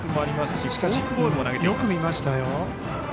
しかしよく見ましたよ。